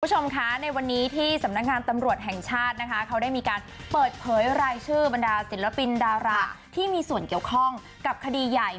คุณผู้ชมคะในวันนี้ที่สำนักงานตำรวจแห่งชาตินะคะเขาได้มีการเปิดเผยรายชื่อบรรดาศิลปินดาราที่มีส่วนเกี่ยวข้องกับคดีใหญ่